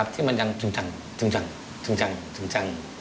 ที่มันยังจุงจัง